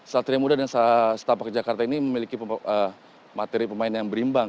satria muda dan setapak jakarta ini memiliki materi pemain yang berimbang